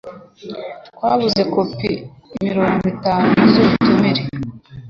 Twabuze kopi mirongo itanu z'ubutumire.